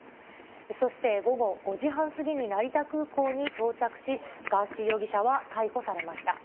そして、午後５時半過ぎに成田空港に到着し、ガーシー容疑者は逮捕されました。